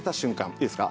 いいですか？